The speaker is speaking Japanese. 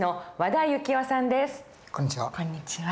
こんにちは。